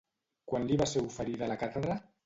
Quan li va ser oferida la càtedra?